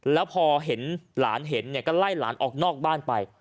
แล้วพอเห็นหลานเห็นเนี่ยก็ไล่หลานออกนอกบ้านไป